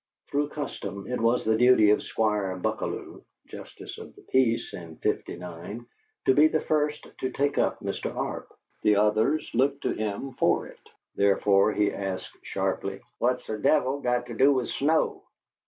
Through custom it was the duty of Squire Buckalew (Justice of the Peace in '59) to be the first to take up Mr. Arp. The others looked to him for it. Therefore, he asked, sharply: "What's the devil got to do with snow?"